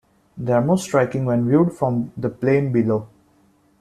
They are most striking when viewed from the plain below.